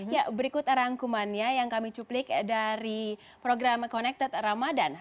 ya berikut rangkumannya yang kami cuplik dari program connected ramadan